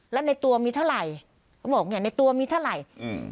แล้วในตัวมีเท่าไหร่เขาบอกเนี้ยในตัวมีเท่าไหร่อืม